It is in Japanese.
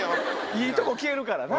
いいとこ消えるからな！